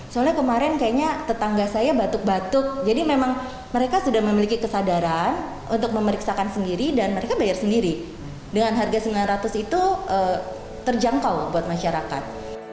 soalnya kemarin kayaknya tetangga saya batuk batuk jadi memang mereka sudah memiliki kesadaran untuk memeriksakan sendiri dan mereka bayar sendiri dengan harga sembilan ratus itu terjangkau buat masyarakat